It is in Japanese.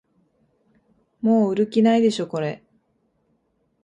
もう売る気ないでしょこれ